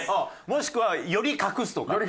もしくはより隠すとか。